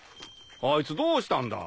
あいつどうしたんだ？